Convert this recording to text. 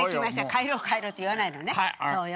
帰ろう帰ろうって言わないのねそうよ。